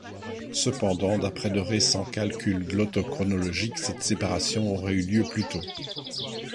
Cependant, d'après de récents calculs glottochronologiques, cette séparation aurait eu lieu plus tôt.